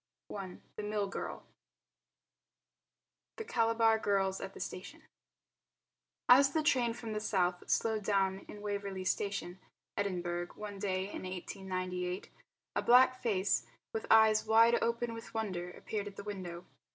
THE MILL GIRL The Calabar Girls at the Station As the train from the south slowed down in Waverley Station, Edinburgh, one day in 1898, a black face, with eyes wide open with wonder, appeared at the window.